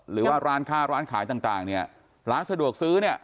หรือว่าร้านค้าร้านขายต่างเนี่ยร้านสะดวกซื้อเนี่ย